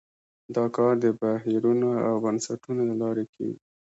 دا کار د بهیرونو او بنسټونو له لارې کیږي.